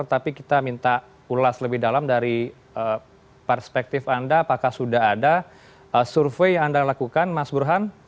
tapi kita minta ulas lebih dalam dari perspektif anda apakah sudah ada survei yang anda lakukan mas burhan